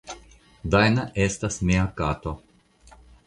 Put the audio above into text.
Dajna estas mia kato.